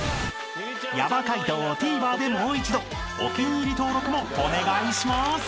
［ヤバ解答をＴＶｅｒでもう一度お気に入り登録もお願いします］